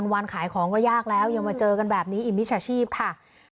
วันขายของก็ยากแล้วยังมาเจอกันแบบนี้อีกมิจฉาชีพค่ะ